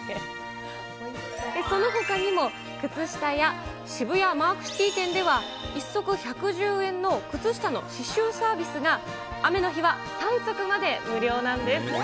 そのほかにも、靴下屋渋谷マークシティ店では１足１１０円の靴下の刺しゅうサービスが雨の日は３足まで無料なんです。